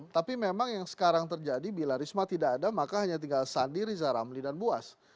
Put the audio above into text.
tapi memang yang sekarang terjadi bila risma tidak ada maka hanya tinggal sandi riza ramli dan buas